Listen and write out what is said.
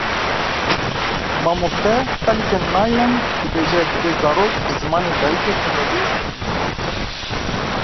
Mamoste Alekan Nyland dibêje divê zarok bi zimanê dayîkê perwerdeyê bibînin.